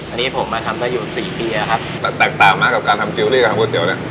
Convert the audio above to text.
อันนี้ผมมาทำได้อยู่สี่ปีแล้วครับแต่แตกต่างมากกับการทำจิลลี่กับทางก๋วเนี้ย